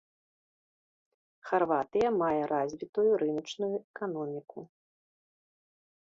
Харватыя мае развітую рыначную эканоміку.